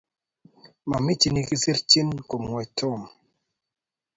Mamichi nekikisurtyin komwoch Tom